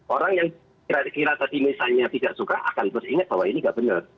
orang yang kira kira tadi misalnya tidak suka akan terus ingat bahwa ini nggak benar